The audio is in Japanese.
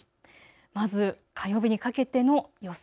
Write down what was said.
まず、火曜日にかけての予想